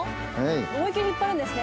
思いきり引っ張るんですね？